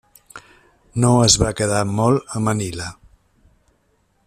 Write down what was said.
No es va quedar molt a Manila.